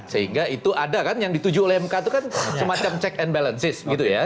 sehingga itu ada kan yang dituju oleh mk itu kan semacam check and balances gitu ya